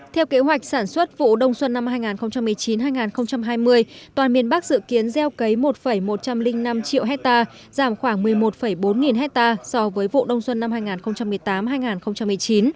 theo kế hoạch sản xuất vụ đông xuân năm hai nghìn một mươi chín hai nghìn hai mươi toàn miền bắc dự kiến gieo cấy một một trăm linh năm triệu hectare giảm khoảng một mươi một bốn nghìn hectare so với vụ đông xuân năm hai nghìn một mươi tám hai nghìn một mươi chín